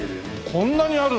こんなにあるの？